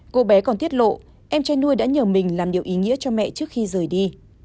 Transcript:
cô bé còn tiết lộ em trai nuôi đã nhờ mình làm điều ý nghĩa cho mẹ trước khi rời đi